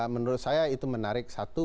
menurut saya itu menarik satu